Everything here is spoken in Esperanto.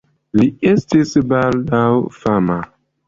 Li estis baldaŭ fama.